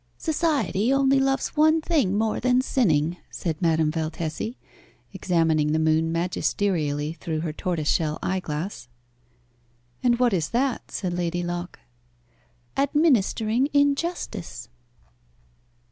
"Society only loves one thing more than sinning," said Madame Valtesi, examining the moon magisterially through her tortoise shell eyeglass. "And what is that?" said Lady Locke. "Administering injustice."